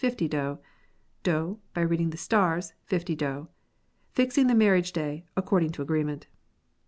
50 do. Do. by reading the stars, . 50 do. Fixing the marriage day, .. According to agreement.